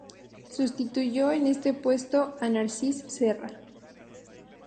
Sustituyó en este puesto a Narcís Serra.